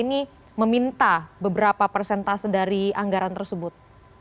ini meminta beberapa persentase dari anggaran tersebut